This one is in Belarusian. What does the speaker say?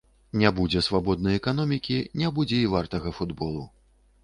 Не будзе свабоднай эканомікі, не будзе і вартага футболу.